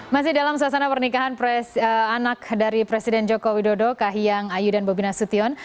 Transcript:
masih dalam suasana pernikahan anak dari presiden joko widodo kahiyang ayu dan bobi nasution